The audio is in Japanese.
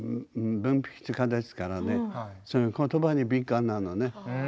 文筆家ですからそういうことばに敏感なのね。